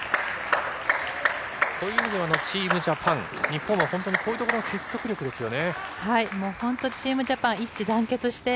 そういう意味ではチームジャパン日本は本当にこういうところの結束力ですよね。